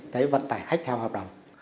đấy vận tải khách theo hợp đồng